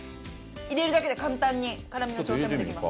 入れるだけで簡単に辛みの調整もできます。